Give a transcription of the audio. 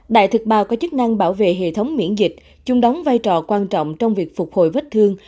đại thực bào có chức năng bảo vệ hệ thống miễn dịch chung đóng vai trò quan trọng trong việc phục hồi vết thương